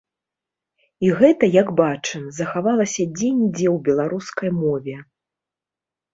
І гэта, як бачым, захавалася дзе-нідзе ў беларускай мове.